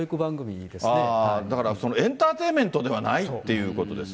だから、エンターテイメントではないっていうことですね。